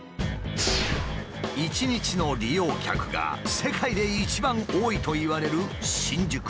一日の利用客が世界で一番多いといわれる新宿駅。